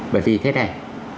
bởi vì thế này